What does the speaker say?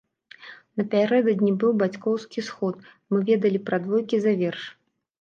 Напярэдадні быў бацькоўскі сход, мы ведалі пра двойкі за верш.